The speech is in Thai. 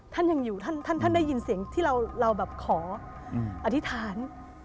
ท่านยังอยู่ท่านได้ยินเสียงที่เราแบบขออธิษฐาน